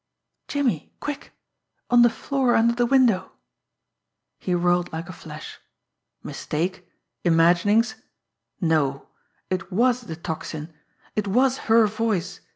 "Jimmie quick! On the floor under the window!" He whirled like a flash. Mistake! Imaginings! No! It was the Tocsin! It was her voice!